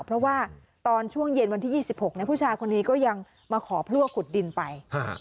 เพราะว่าตอนช่วงเย็นวันที่๒๖พุชายาก็ยังมาขอเพื่อขุดดินไป